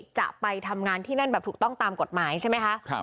จะไปทำงานที่นั่นแบบถูกต้องตามกฎหมายใช่ไหมคะ